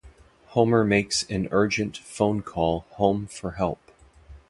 Homer makes an urgent phone call home for help.